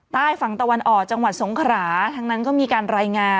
ใต้ฝั่งตะวันออกจังหวัดสงขราทางนั้นก็มีการรายงาน